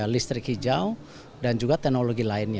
listrik hijau dan juga teknologi lainnya